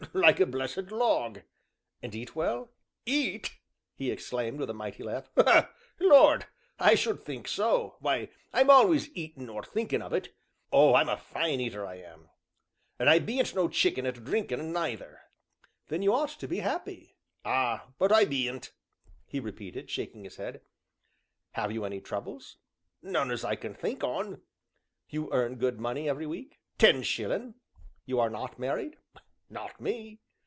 "Like a blessed log." "And eat well?" "Eat!" he exclaimed, with a mighty laugh. "Lord! I should think so why, I'm always eatin' or thinkin' of it. Oh, I'm a fine eater, I am an' I bean't no chicken at drinkin', neither." "Then you ought to be happy." "Ah! but I bean't!" he repeated, shaking his head. "Have you any troubles?" "None as I can think on." "You earn good money every week?" "Ten shillin'." "You are not married?" "Not me."